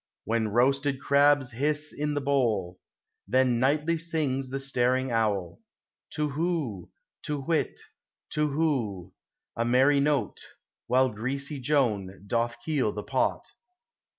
When roasted crabs hiss in the h».\\ I. 172 POEMS OF XATURE. Then nightly sings the staring owl, To whoo ; To whit, to whoo, a merry note, While greasy Joan doth keel the pot.